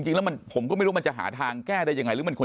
จริงแล้วผมก็ไม่รู้มันจะหาทางแก้ได้ยังไงหรือมันควร